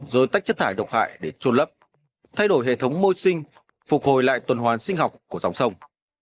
rồi tách chất thải độc hại để trôn lấp thay đổi hệ thống môi sinh phục hồi lại tuần hoàn sinh học của dòng sông